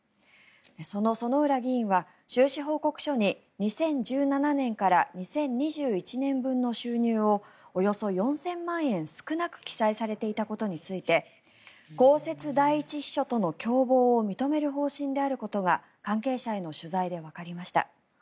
その薗浦議員は収支報告書に２０１７年から２０２１年分の収入をおよそ４０００万円少なく記載されていたことについて公設第１秘書との共謀を認める方針であることが関係者への取材でわかりました。